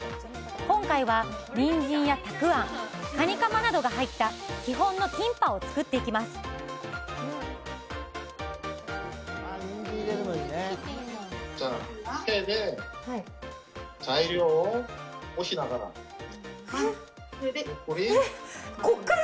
今回はにんじんやたくあん・カニカマなどが入った基本のキンパを作っていきますえっこっから？